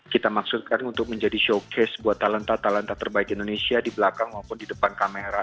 kita maksudkan untuk menjadi showcase buat talenta talenta terbaik indonesia di belakang maupun di depan kamera